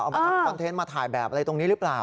มาทำคอนเทนต์มาถ่ายแบบอะไรตรงนี้หรือเปล่า